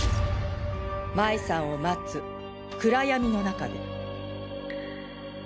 麻衣さんを待つ暗闇の中で。